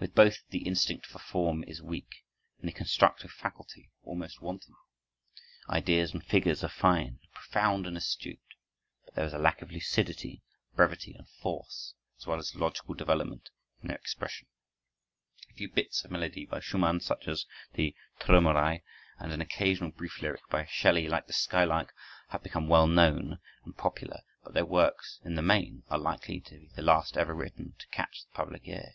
With both, the instinct for form is weak, and the constructive faculty almost wanting. Ideas and figures are fine, profound, and astute, but there is a lack of lucidity, brevity, and force, as well as of logical development, in their expression. A few bits of melody by Schumann, such as the "Träumerei," and an occasional brief lyric by Shelley, like "The Skylark," have become well known and popular; but their works, in the main, are likely to be the last ever written to catch the public ear.